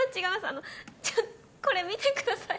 あのちょこれ見てください。